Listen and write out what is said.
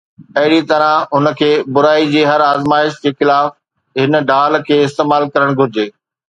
اهڙيءَ طرح هن کي برائي جي هر آزمائش جي خلاف هن ڍال کي استعمال ڪرڻ گهرجي